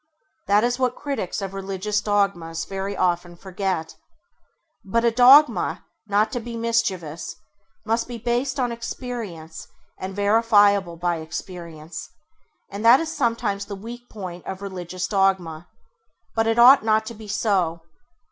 That is what critics of religious dogmas [Page 13] very often forget. But a dogma, not to be mischievous, must be based on experience and verifiable by experience, and that is sometimes the weak point of religious dogma; but it ought not to be so.